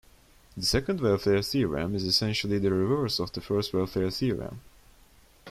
The second welfare theorem is essentially the reverse of the first welfare-theorem.